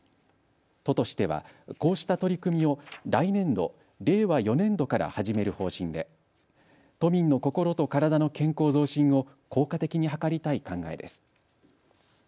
都としては、こうした取り組みを来年度、令和４年度から始める方針で都民の心と体の健康増進を効果的に図りたい考えです。